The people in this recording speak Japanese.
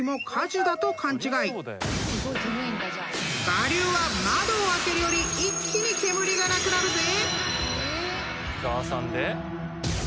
［我流は窓を開けるより一気に煙がなくなるぜ！］